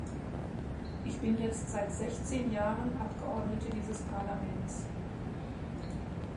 Ich bin jetzt seit sechzehn Jahren Abgeordnete dieses Parlaments.